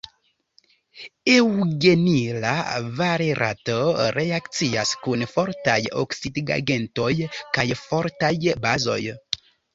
Eŭgenila valerato reakcias kun fortaj oksidigagentoj kaj fortaj bazoj.